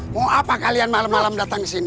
mau apa kalian malam malam datang kesini